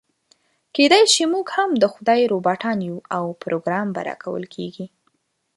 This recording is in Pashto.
کيداشي موږ هم د خدای روباټان يو او پروګرام به راکول کېږي.